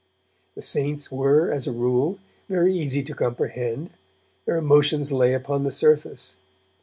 The 'saints' were, as a rule, very easy to comprehend; their emotions lay upon the surface.